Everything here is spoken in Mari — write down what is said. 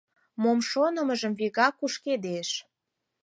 Мом шонымыжым вигак кушкедеш.